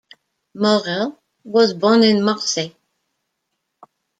Maurel was born in Marseille.